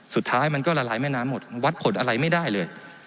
สุดท้ายมันก็ละลายแม่น้ำหมดวัดผลอะไรไม่ได้เลย